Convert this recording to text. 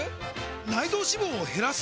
内臓脂肪を減らす！？